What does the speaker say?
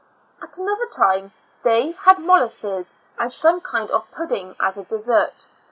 At another time, they had molasses and some kind of pudding as a desert.